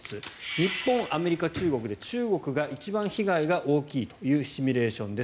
日本、アメリカ、中国で中国が一番被害が大きいというシミュレーションです。